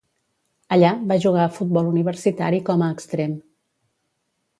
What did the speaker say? Allà, va jugar a futbol universitari com a extrem.